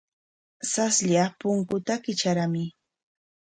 Saslla punkuta kitrarkamuy.